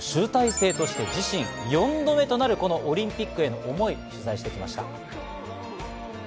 競技人生の集大成として自身４度目となるこのオリンピックへの思いを伺ってきました。